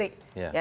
ya internal ya